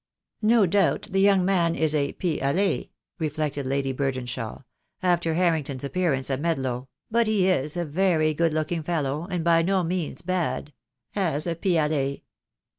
"No doubt the young man is a pis aller," reflected Lady Burdenshaw, after Harrington's appearance at Med low, "but he is a very good looking fellow, and by no means bad — as a pis aller.